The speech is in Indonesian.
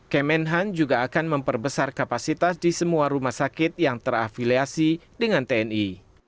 kemenhan juga akan memperbesar kapasitas di semua rumah sakit yang terafiliasi dengan tni